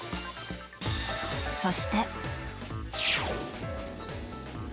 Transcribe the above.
そして。